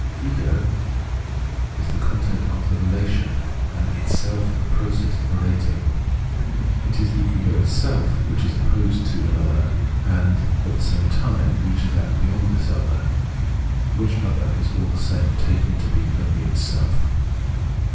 Ego is the content of the relation, and itself the process of relating. It is Ego itself which is opposed to an other and, at the same time, reaches out beyond this other, which other is all the same taken to be only itself.